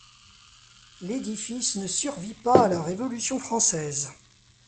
L'édifice ne survit pas à la Révolution française.